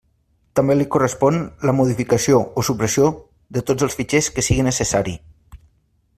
També li correspon la modificació o supressió de tots els fitxers que sigui necessari.